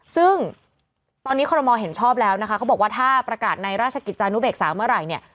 ซึ่งตอนนี้คอรมอลเห็นชอบแล้วนะคะเขาบอกว่าถ้าประกาศในราชกิจจานุเบกษาเมื่อไหร่เนี่ย